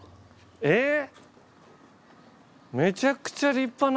えっ？